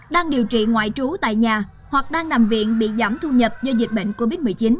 đang điều trị ngoại trú tại nhà hoặc đang nằm viện bị giảm thu nhập do dịch bệnh covid một mươi chín